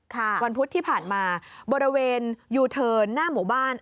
วันพุธที่ผ่านมาบริเวณยูเทิร์นหน้าหมู่บ้าน